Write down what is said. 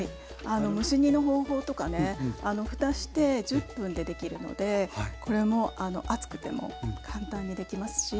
蒸し煮の方法とかね蓋して１０分で出来るのでこれも暑くても簡単にできますし